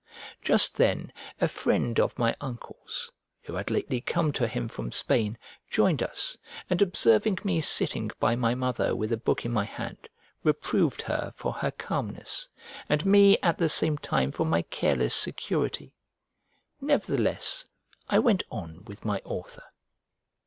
Just then, a friend of my uncle's, who had lately come to him from Spain, joined us, and observing me sitting by my mother with a book in my hand, reproved her for her calmness, and me at the same time for my careless security: nevertheless I went on with my author.